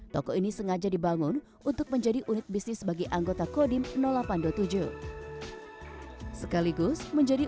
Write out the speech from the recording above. toko ini sengaja dibangun untuk menjadi unit bisnis bagi anggota kodim delapan ratus dua puluh tujuh sekaligus menjadi